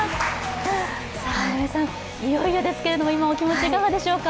いよいよですけれども、今、お気持ちいかがでしょうか。